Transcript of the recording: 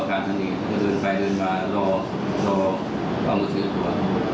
แล้วก็ไปเดินมารอว่ามือถือตัว